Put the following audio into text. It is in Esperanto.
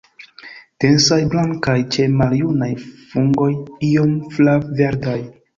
Densaj, blankaj, ĉe maljunaj fungoj iom flav-verdaj.